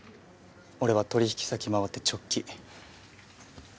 俺は取引先回って直帰。